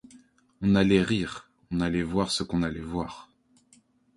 On allait rire, on allait voir ce qu'on allait voir.